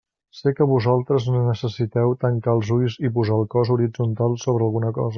Sé que vosaltres necessiteu tancar els ulls i posar el cos horitzontal sobre alguna cosa.